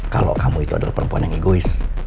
kalau kamu itu adalah perempuan yang egois